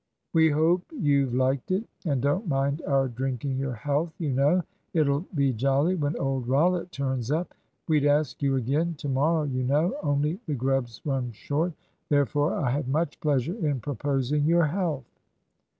We hope you've liked it, and don't mind our drinking your health, you know. It'll be jolly when old Rollitt turns up. We'd ask you again to morrow, you know, only the grub's run short. Therefore, I have much pleasure in proposing your health."